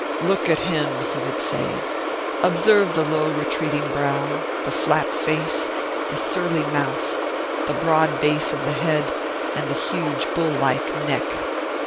"Look at him," he would say. "Observe the low, retreating brow, the flat face, the surly mouth, the broad base of the head, and the huge bull like neck.